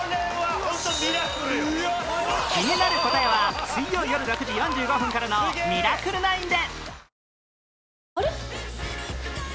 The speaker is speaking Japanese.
気になる答えは水曜よる６時４５分からの『ミラクル９』で！